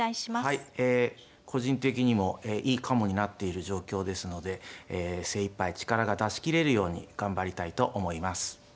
はいえ個人的にもいいカモになっている状況ですので精いっぱい力が出し切れるように頑張りたいと思います。